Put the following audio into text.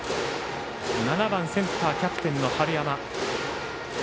７番、センターキャプテンの春山。